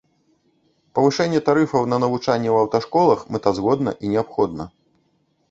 Павышэнне тарыфаў на навучанне ў аўташколах мэтазгодна і неабходна.